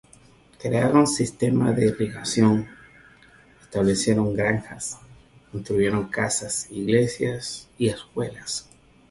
Crearon sistemas de irrigación, establecieron granjas, construyeron casas, iglesias y escuelas.